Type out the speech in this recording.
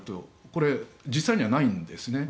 これ、実際にはないんですね。